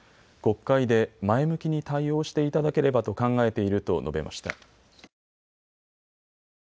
国会で前向きに対応していただければと考えていると述べました。